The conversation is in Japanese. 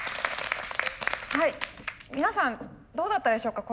皆さんどうだったでしょうか。